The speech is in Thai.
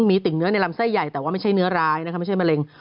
มีติ่งเนื้อในลำไส้ใหญ่แต่ว่าไม่ใช่เนื้อร้ายนะคะไม่ใช่มะเร็ง